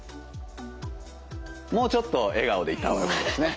もうちょっと笑顔でいった方がよかったですね。